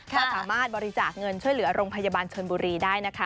ก็สามารถบริจาคเงินช่วยเหลือโรงพยาบาลชนบุรีได้นะคะ